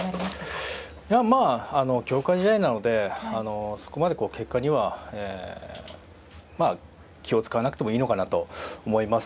強化試合なので、そこまで結果には気を使わなくてもいいのかなと思います。